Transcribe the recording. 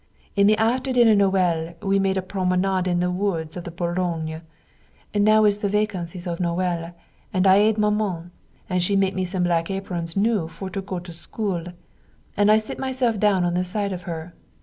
In the after dinner Noël we make a promenade in the woods of Boulognes. Now it is the vacancies of Noël and I aid Maman, she make me some black aprons new for go to school, and I sit myself down on the side of her.